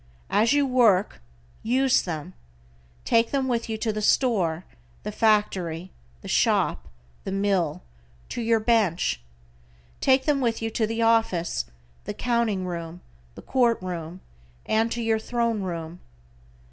As you work, use them. Take them with you to the store, the factory, the shop, the mill, to your bench. Take them with you to the office, the counting room, the court room, and to your throne room.